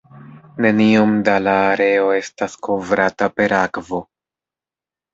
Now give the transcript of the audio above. Neniom da la areo estas kovrata per akvo.